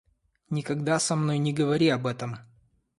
Никогда со мной не говори об этом.